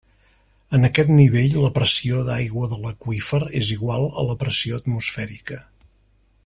En aquest nivell la pressió d'aigua de l'aqüífer és igual a la pressió atmosfèrica.